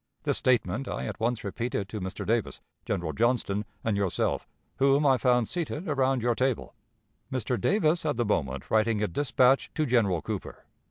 "This statement I at once repeated to Mr. Davis, General Johnston, and yourself, whom I found seated around your table Mr. Davis at the moment writing a dispatch to General Cooper.